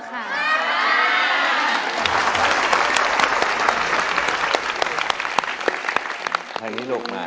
กลับไปก่อนที่สุดท้าย